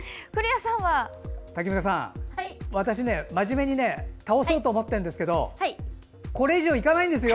タキミカさん、私ねまじめに倒そうと思っているんですけどもこれ以上いかないんですよ。